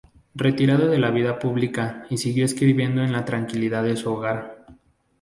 Retirado de la vida pública y siguió escribiendo en la tranquilidad de su hogar.